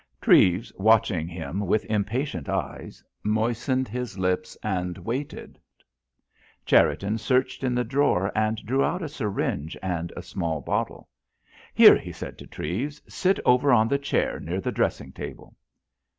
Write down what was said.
Treves, watching him with impatient eyes, moistened his lips and waited. Cherriton searched in the drawer and drew out a syringe and a small bottle. "Here," he said to Treves, "sit over on the chair near the dressing table."